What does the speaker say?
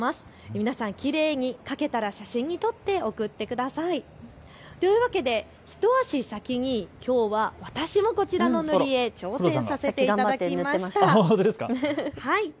皆さん、きれいに描けたら写真に撮って送ってください。というわけで一足先にきょうは私もこちらの塗り絵挑戦させていただきました。